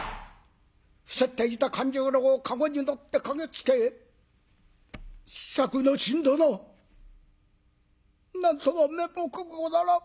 伏せっていた勘十郎かごに乗って駆けつけ「作之進殿なんとも面目ござらん。